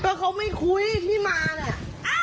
โอ๊ยคุณเขาคุยกับเราเอาเขาแล้วกัน